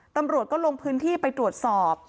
ตำรวจก็ลงพื้นที่ไปตรวจสอบ